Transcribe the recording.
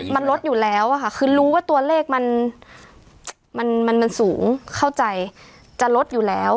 มันลดอยู่แล้วค่ะคือรู้ว่าตัวเลขมันมันสูงเข้าใจจะลดอยู่แล้ว